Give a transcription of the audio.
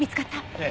ええ。